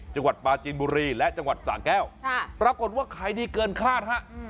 จังหวัดปลาจีนบุรีและจังหวัดสาแก้วปรากฏว่าขายดีเกินคาดฮะ